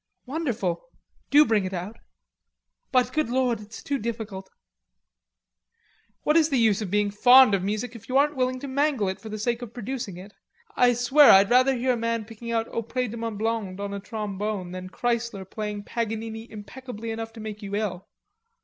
"Wonderful. Do bring it out." "But, good Lord, it's too difficult." "What is the use of being fond of music if you aren't willing to mangle it for the sake of producing it?... I swear I'd rather hear a man picking out Aupres de ma Blonde on a trombone that Kreisler playing Paganini impeccably enough to make you ill."